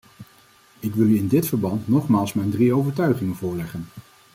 Ik wil u in dit verband nogmaals mijn drie overtuigingen voorleggen.